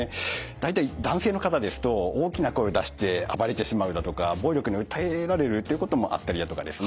大体男性の方ですと大きな声を出して暴れてしまうだとか暴力に訴えられるっていうこともあったりだとかですね。